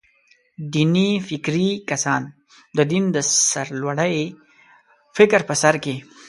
دیني نوفکري کسان «د دین د سرلوړۍ» فکر په سر کې.